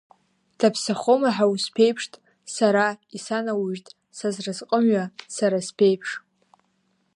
Даԥсахома ҳәа усԥеиԥшт, сара исанужьт са сразҟымҩа, сара сԥеиԥш.